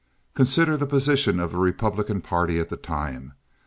Consider the position of the Republican party at that time.